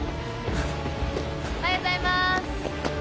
おはようございます！